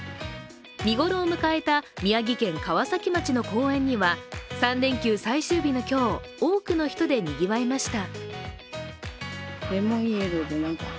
見頃を迎えた宮城県川崎町の公園には３連休最終日の今日、多くの人でにぎわいました。